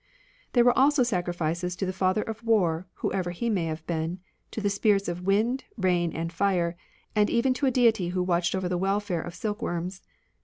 There were also sacrifices to the Father of War, whoever he may have been ; to the Spirits of Wind, Rain, and Fire ; and even to a deity who watched over the welfare of silkworms.